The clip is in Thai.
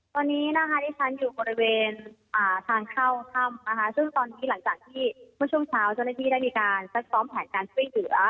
ตอนนี้นะคะที่ฉันอยู่บริเวณทางเข้าถ้ำนะคะซึ่งตอนนี้หลังจากที่เมื่อช่วงเช้า